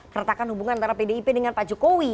keretakan hubungan antara pdip dengan pak jokowi